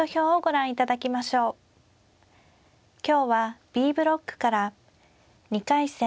今日はＢブロックから２回戦